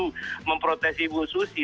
mereka maju memprotes ibu susi